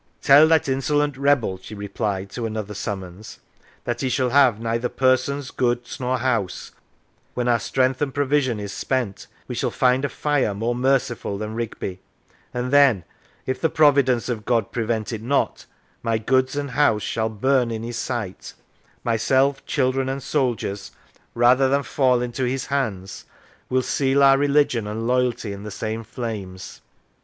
" Tell that insolent rebel," she replied to another summons, " that he shall have neither persons, goods, nor house; when our strength and provision is spent, we shall find a fire more merciful than Rigby; and then, if the Providence of God prevent it not, my goods and house shall burn in his sight; myself, children, and soldiers, rather than fall into his hands, will seal our religion and loyalty in the same flames."